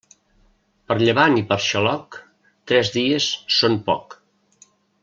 Per llevant i per xaloc, tres dies són poc.